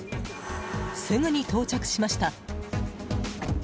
すぐに到着しました。